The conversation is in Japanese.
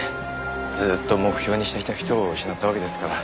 ずっと目標にしてきた人を失ったわけですから。